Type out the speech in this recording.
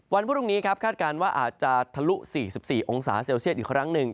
วันพรุ่งนี้ครับคาดการณ์ว่าอาจจะทะลุ๔๔องศาเซลเซียตอีกครั้งหนึ่ง